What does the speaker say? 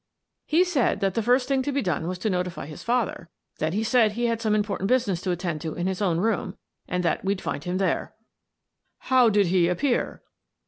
" He said that the first thing to be done was to notify his father. Then he said he had some im portant business to attend to in his own room, and that we'd find him there." " How did he appear?"